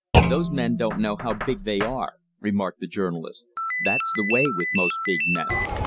"Those men don't know how big they are," remarked the journalist. "That's the way with most big men.